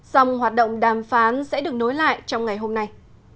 dòng hoạt động đàm phán sẽ được nối lại trong ngày hôm nay